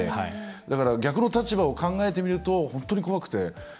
だから逆の立場を考えてみると本当に怖くて。